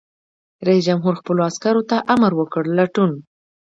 رئیس جمهور خپلو عسکرو ته امر وکړ؛ لټون!